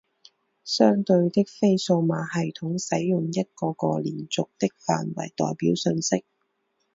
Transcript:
相对的非数码系统使用一个个连续的范围代表信息。